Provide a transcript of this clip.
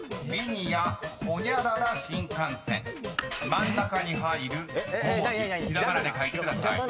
［真ん中に入る５文字ひらがなで書いてください］